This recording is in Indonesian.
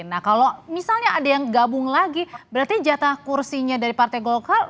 nah kalau misalnya ada yang gabung lagi berarti jatah kursinya dari partai golkar